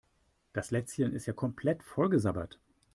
Das Lätzchen ist ja komplett vollgesabbert.